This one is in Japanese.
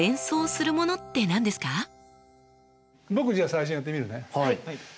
僕じゃあ最初やってみるね。